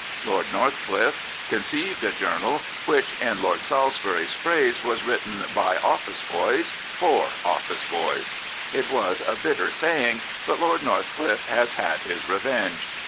Lord JJorthclifie conceived a journal which, in Lord Salisbury's phrase, was ' written by ofl&ce bpys for office boys.' It was a bitter saying; but Lord Northcliffe has had his revenge.